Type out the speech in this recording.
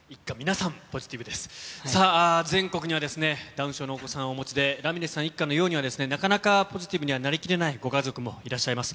さあ、全国にはダウン症のお子さんをお持ちでラミレスさん一家のようにはなかなかポジティブにはなりきれないご家族もいらっしゃいます。